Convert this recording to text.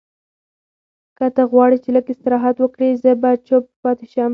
که ته غواړې چې لږ استراحت وکړې، زه به چپ پاتې شم.